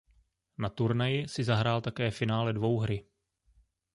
Na turnaji si zahrál také finále dvouhry.